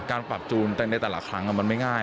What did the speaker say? การปรับจูนแต่ในแต่ละครั้งมันไม่ง่าย